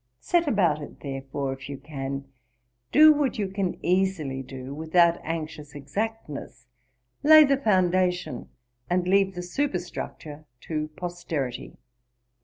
Set about it therefore, if you can: do what you can easily do without anxious exactness. Lay the foundation, and leave the superstructure to posterity.